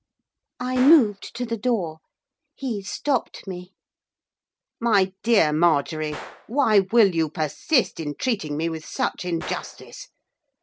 I moved to the door. He stopped me. 'My dear Marjorie, why will you persist in treating me with such injustice?